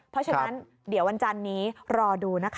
เพราะฉะนั้นเดี๋ยววันจันนี้รอดูนะคะ